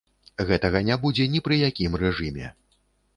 Гэтага не будзе не пры якім рэжыме.